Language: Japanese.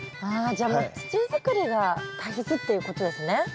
あじゃあもう土づくりが大切っていうことですね。